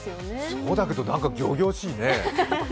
そうだけど、なんか仰々しいね。